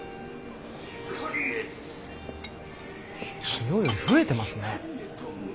昨日より増えてますね。